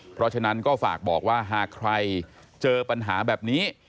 เพราะฉะนั้นก็ฝากบอกว่าหากใครเจอปัญหาแบบนี้